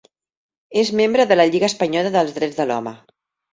És membre de la Lliga Espanyola dels Drets de l'Home.